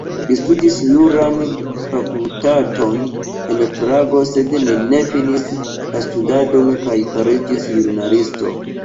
Li studis juran fakultaton en Prago, sed ne finis la studadon kaj fariĝis ĵurnalisto.